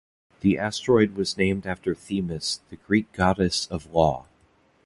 The asteroid was named after Themis, the Greek goddess of law.